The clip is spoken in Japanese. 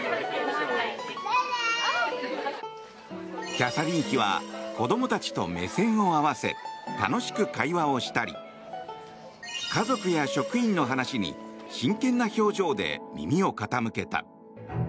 キャサリン妃は子供たちと目線を合わせ楽しく会話をしたり家族や職員の話に真剣な表情で耳を傾けた。